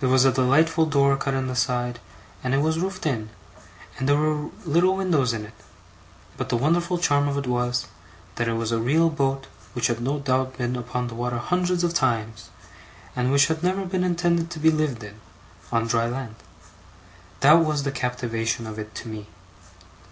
There was a delightful door cut in the side, and it was roofed in, and there were little windows in it; but the wonderful charm of it was, that it was a real boat which had no doubt been upon the water hundreds of times, and which had never been intended to be lived in, on dry land. That was the captivation of it to me.